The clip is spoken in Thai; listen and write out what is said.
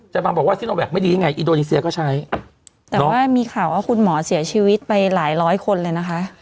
บางบอกว่าซิโนแกคไม่ดียังไงอินโดนีเซียก็ใช้แต่ว่ามีข่าวว่าคุณหมอเสียชีวิตไปหลายร้อยคนเลยนะคะ